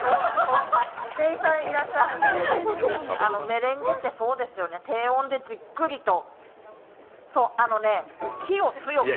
メレンゲってそうですよね、低温でじっくりと。